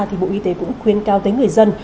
thì bộ y tế cũng khuyên cao tới người dân